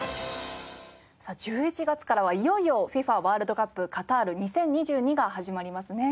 １１月からはいよいよＦＩＦＡワールドカップカタール２０２２が始まりますね。